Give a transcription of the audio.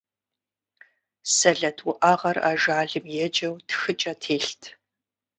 Сэлэт уӀэгъэр ажалым еджэу тхыкӀэ телът.